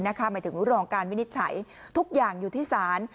หมายถึงรองการวินิจฉัยทุกอย่างอยู่ที่ศาล